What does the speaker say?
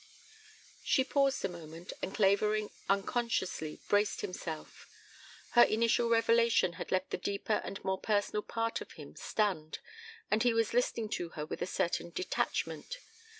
She paused a moment, and Clavering unconsciously braced himself. Her initial revelation had left the deeper and more personal part of him stunned, and he was listening to her with a certain detachment.